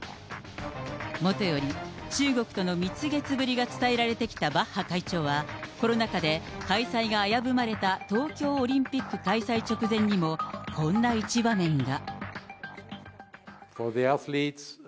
もとより、中国との蜜月ぶりが伝えられてきたバッハ会長は、コロナ禍で開催が危ぶまれた東京オリンピック開催直前にも、こんな一場面が。